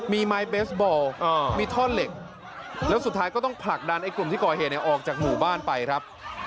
มีไม้เบสบอลมีท่อนเหล็กแล้วสุดท้ายก็ต้องผลักดันไอ้กลุ่มที่ก่อเหตุออกจากหมู่บ้านไปครับ